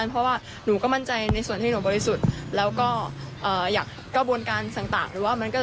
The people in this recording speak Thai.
แล้วทำไมตำรวจของแม่นสามารถ